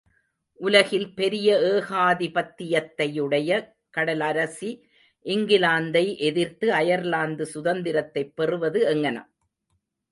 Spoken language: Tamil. உலகில் பெரிய ஏகாதிபத்தியத்தையுடைய கடலரசி இங்கிலாந்தை எதிர்த்து அயர்லாந்து சுதந்திரத்தைப் பெறுவது எங்ஙனம்?